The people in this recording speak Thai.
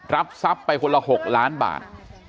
รับทรัพย์ไปคนละ๖ล้านบาท